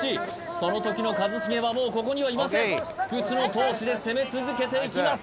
その時の一茂はもうここにはいません不屈の闘志で攻め続けていきます